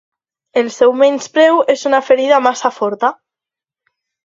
El seu menyspreu és una ferida massa forta.